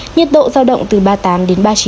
nhiệt độ giao động từ ba mươi tám ba mươi chín độ c